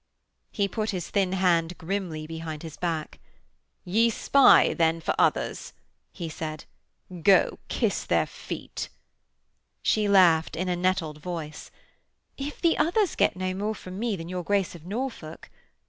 He put his thin hand grimly behind his back. 'Ye spy, then, for others,' he said. 'Go kiss their feet.' She laughed in a nettled voice: 'If the others get no more from me than your Grace of Norfolk....'